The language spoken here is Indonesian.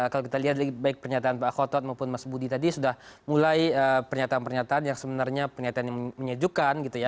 kalau kita lihat baik pernyataan pak khotot maupun mas budi tadi sudah mulai pernyataan pernyataan yang sebenarnya pernyataan yang menyejukkan gitu ya